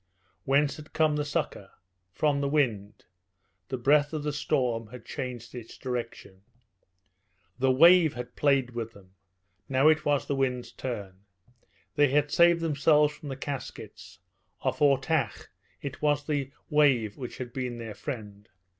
Whence had come the succour? From the wind. The breath of the storm had changed its direction. The wave had played with them; now it was the wind's turn. They had saved themselves from the Caskets. Off Ortach it was the wave which had been their friend.